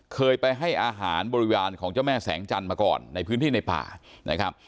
เคยไปให้อาหารบริวารของเจ้าแม่แสงจันทร์มาก่อนในพื้นที่ในป่านะครับ